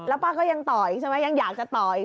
แล้วป้าก็ยังต่ออีกใช่ไหมยังอยากจะต่ออีกใช่ไหม